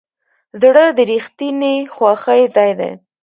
زړه د رښتینې خوښۍ ځای دی.